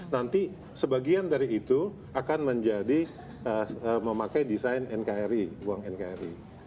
nanti sebagian dari itu akan menjadi memakai desain nkri uang nkri